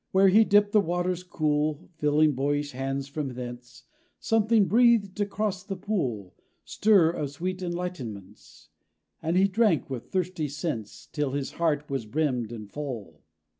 Where he dipped the water's cool, Filling boyish hands from thence, Something breathed across the pool Stir of sweet enlightenments; And he drank, with thirsty sense, Till his heart was brimmed and full.